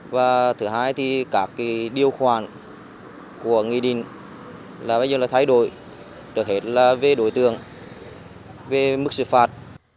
và thứ hai thì các điều khoản của nghị định là bây giờ là thay đổi trước hết là về đối tượng về mức xử phạt